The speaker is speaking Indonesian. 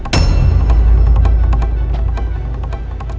jangan lupa langsung berikuti